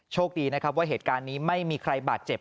โชคดีนะครับว่าเหตุการณ์นี้ไม่มีใครบาดเจ็บ